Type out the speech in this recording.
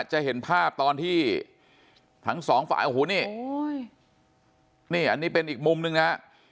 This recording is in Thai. จะเห็นภาพตอนที่ทั้งสองฝ่ายโอ้โหนี่นี่อันนี้เป็นอีกมุมหนึ่งนะฮะ